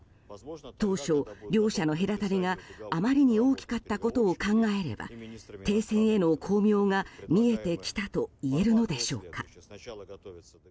当初、両者の隔たりがあまりに大きかったことを考えれば停戦への光明が見えてきたといえるのでしょうか。